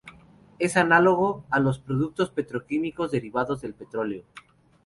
Es análogo a los productos petroquímicos derivados del petróleo.